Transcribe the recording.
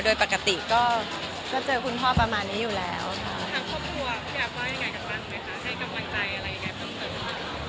โดยปกติก็เจอคุณพ่อประมาณนี้อยู่แล้วค่ะ